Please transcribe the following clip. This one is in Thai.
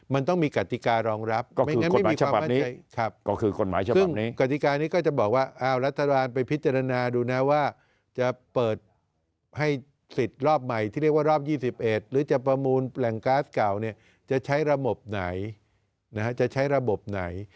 มันต้องมีกฎิการองรับก็คือกฎหมายฉภัณฑ์นี้